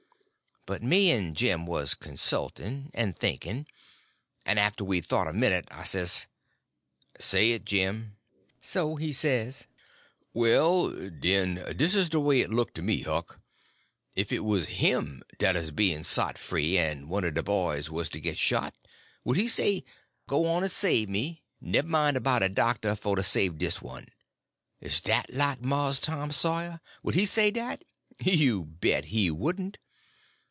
But me and Jim was consulting—and thinking. And after we'd thought a minute, I says: "Say it, Jim." So he says: "Well, den, dis is de way it look to me, Huck. Ef it wuz him dat 'uz bein' sot free, en one er de boys wuz to git shot, would he say, 'Go on en save me, nemmine 'bout a doctor f'r to save dis one?' Is dat like Mars Tom Sawyer? Would he say dat? You bet he wouldn't!